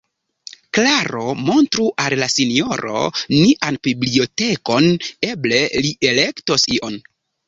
Klaro, montru al la sinjoro nian bibliotekon, eble li elektos ion.